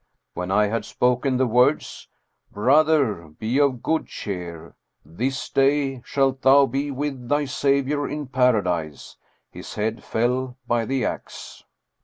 When I had spoken the words, " Brother, be of good cheer. This day shalt thou be with thy Saviour in Paradise," his head fell by the ax.